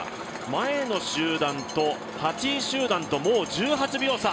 前の集団と、８位集団ともう１８秒差。